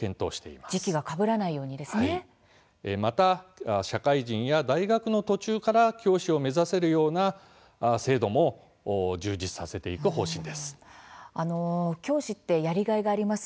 また社会人や大学の途中から教師を目指せるような制度も充実させていく方針です。